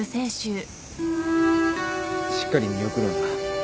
しっかり見送ろうな。